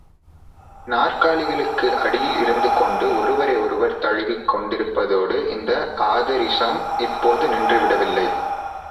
நாற்காலிகளுக்கு அடியில் இருந்து கொண்டு ஒருவரை ஒருவர் தழுவிக் கொண்டிருப்பதோடு இந்த ஆதரிசம் இப்போது நின்று விடவில்லை.